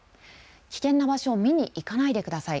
危険な場所を見に行かないでください。